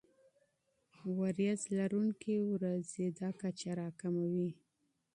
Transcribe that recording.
وریځ لرونکي ورځې دا کچه راکموي.